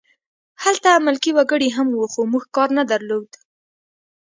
هلته ملکي وګړي هم وو خو موږ کار نه درلود